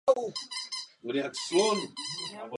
Nachází se zde jeden z největších skladů v Africe.